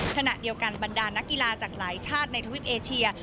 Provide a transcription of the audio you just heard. ขณะเดียวกันบรรดานักกีฬาจากหลายชาติในทวิปเอเชีย